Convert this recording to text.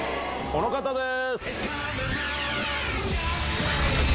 この方です。